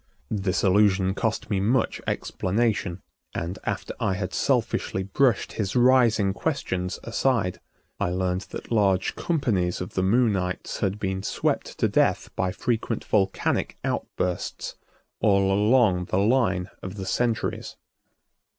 This allusion cost me much explanation, and, after I had selfishly brushed his rising questions aside, I learned that large companies of the Moonites had been swept into death by frequent volcanic outbursts all along the line of the centuries.